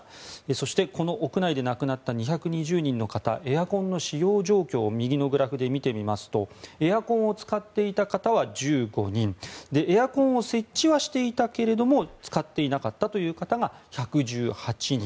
そして、この屋内で亡くなった２２０人の方エアコンの使用状況右のグラフで見てみますとエアコンを使っていた方は１５人エアコンを設置してはいたけれど使っていなかったという方が１１８人